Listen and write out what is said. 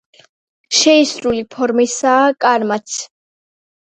შეისრული ფორმისაა კამარაც.